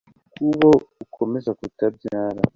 Kubo ukomeza kutabyara